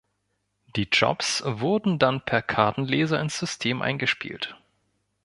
Die Jobs wurden dann per Kartenleser ins System eingespielt.